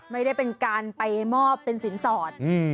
ไม่ได้เป็นการไปมอบเป็นสินสอด